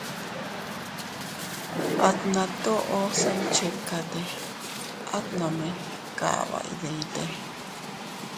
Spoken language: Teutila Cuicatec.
Atna toʼo se iychikate, at nome kaba iydite.